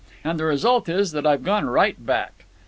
And the result is that I've gone right back.